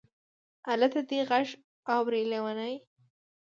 الته دې غږ اوري لېونۍ.